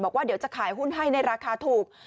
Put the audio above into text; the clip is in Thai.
บอกว่าเดี๋ยวจะขายหุ้นให้ในราคาถูก